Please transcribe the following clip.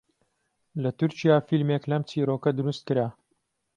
لە تورکیا فیلمێک لەم چیرۆکە دروست کرا